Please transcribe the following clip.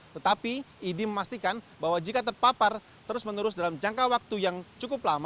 tetapi idi memastikan bahwa jika terpapar terus menerus dalam jangka waktu yang cukup lama